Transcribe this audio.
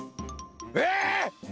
えっ！？